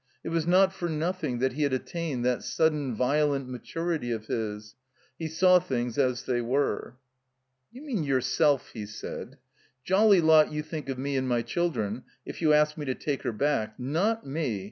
It was not for nothing that he had attained that sudden violent maturity of his. He saw things as they were. "You mean yourself," he said. "Jolly lot you think of me and my children if you ask me to take her back. Not me!